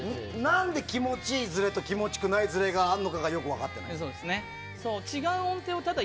何で気持ちいいずれと気持ちくないずれがあるのかが、よく分かってない。